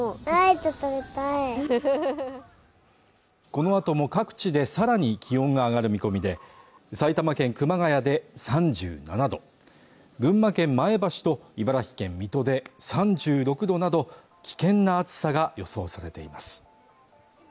このあとも各地でさらに気温が上がる見込みで埼玉県熊谷で３７度群馬県前橋と茨城県水戸で３６度など危険な暑さが予想されています